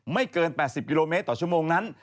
ไม่เกิน๘๐กิโลเมตรต่อชั่วโมงนั้น